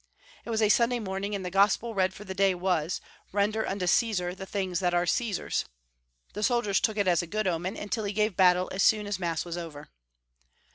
It was a Sunday morning, and the Gospel read for the day was —" Render unto Caesar the tilings that are Caesar's." The soldiers took it as a good omen, and Tilly gave battle as soon as mass was over.